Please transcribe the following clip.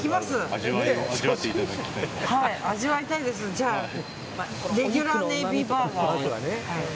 じゃあレギュラーネイビーバーガーで。